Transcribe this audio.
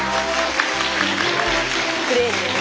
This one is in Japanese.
クレーンです。